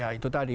ya itu tadi